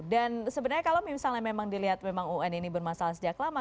dan sebenarnya kalau misalnya memang dilihat un ini bermasalah sejak lama